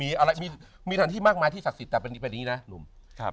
มีอะไรมีมีทางที่มากมายที่ศักดิ์สิทธิ์แบบนี้แบบนี้น่ะลุ้มครับ